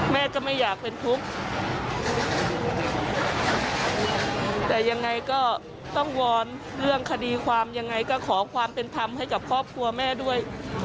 แม่ก็ไม่อยากเป็นทุกข์แต่ยังไงก็ต้องวอนเรื่องคดีความยังไงก็ขอความเป็นธรรมให้กับครอบครัวแม่ด้วย